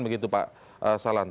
begitu pak salan